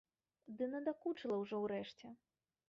Ды надакучыла ўжо ўрэшце.